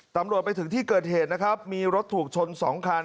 ตำรวจไปถึงที่เกิดเหตุนะครับมีรถถูกชน๒คัน